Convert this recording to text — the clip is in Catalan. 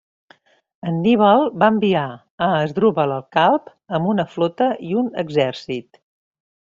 Anníbal va enviar a Àsdrubal el Calb amb una flota i un exèrcit.